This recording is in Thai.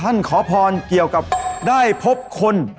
ขอพรเกี่ยวกับได้พบคน